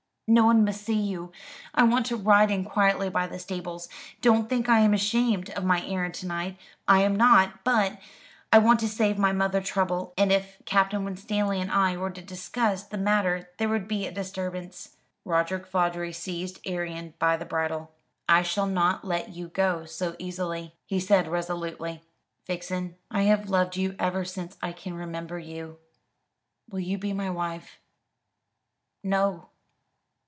"No one must see you. I want to ride in quietly by the stables. Don't think I am ashamed of my errand to night. I am not; but I want to save my mother trouble, and if Captain Winstanley and I were to discuss the matter there would be a disturbance." Roderick Vawdrey seized Arion by the bridle. "I shall not let you go so easily," he said resolutely. "Vixen, I have loved you ever since I can remember you. Will you be my wife?" "No."